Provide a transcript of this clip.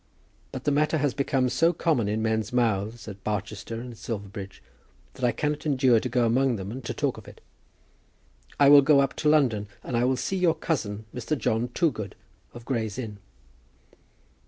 But the matter has become so common in men's mouths at Barchester and at Silverbridge, that I cannot endure to go among them and to talk of it. I will go up to London, and I will see your cousin, Mr. John Toogood, of Gray's Inn."